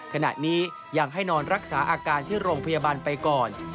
ขณะนี้ยังให้นอนรักษาอาการที่โรงพยาบาลไปก่อน